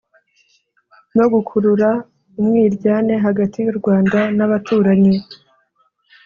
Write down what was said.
no gukurura umwiryane hagati y'u rwanda n'abaturanyi